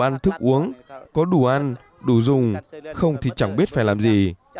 đồ ăn thức uống có đủ ăn đủ dùng không thì chẳng biết phải làm gì